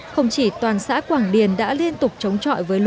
không chỉ toàn xã quảng điền đã liên tục chống trọi với lũ